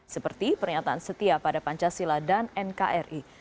seperti pernyataan setia pada pancasila dan nkri